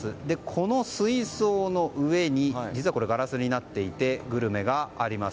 この水槽の上に、実は上ガラスになっていてグルメがあります。